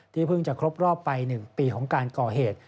เพิ่งจะครบรอบไป๑ปีของการก่อเหตุ